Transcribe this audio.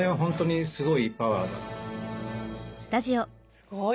すごい。